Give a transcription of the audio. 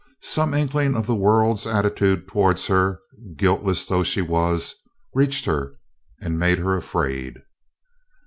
Some inkling of the world's attitude towards her, guiltless though she was, reached her and made her afraid.